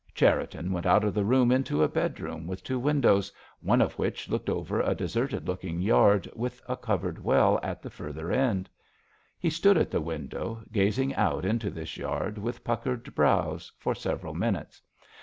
Cherriton went out of the room into a bedroom with two windows, one of which looked over a deserted looking yard, with a covered well at the further end. He stood at the window, gazing out into this yard, with puckered brows, for several minutes.